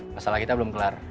masalah kita belum kelar